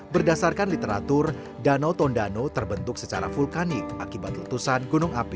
berdasarkan literatur danau tondano terbentuk secara vulkanik akibat letusan gunung api